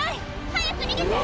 早く逃げて早く！